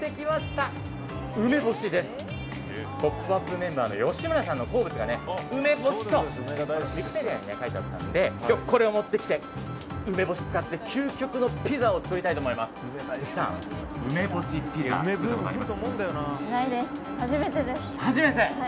メンバーの吉村さんの好物が梅干しと、ウィキペディアに書いてあったので今日、これを持ってきて梅干しを使って究極のピザを作りたいと思います。